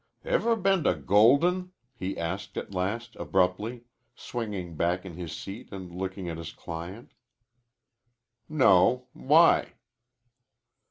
"Ever been to Golden?" he asked at last abruptly, swinging back in his seat and looking at his client. "No. Why?"